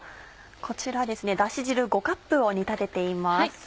こちらだし汁５カップを煮立てています。